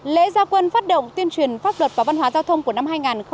lễ giao quân phát động tuyên truyền pháp luật và văn hóa giao thông của năm hai nghìn một mươi tám